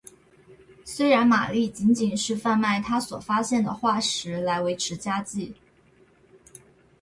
虽然玛丽仅仅是贩卖她所发现的化石来维持家计。